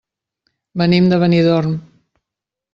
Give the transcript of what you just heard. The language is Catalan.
Venim de Benidorm.